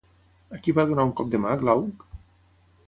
A qui va donar un cop de mà, Glauc?